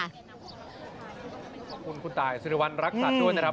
ขอบคุณคุณตายสิริวัณรักษัตริย์ด้วยนะครับ